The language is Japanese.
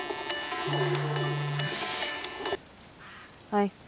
はい。